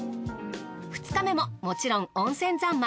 ２日目ももちろん温泉三昧。